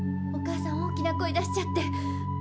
お母さん大きな声出しちゃって。